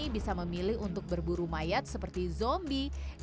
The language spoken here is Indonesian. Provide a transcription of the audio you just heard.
bisa memilih untuk berburu mayat seperti zombie